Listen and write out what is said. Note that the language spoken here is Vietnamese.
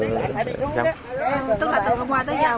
mọi công tác mình làm